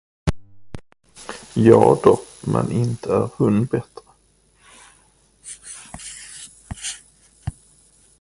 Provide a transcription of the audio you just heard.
Ja då, men inte är hon bättre.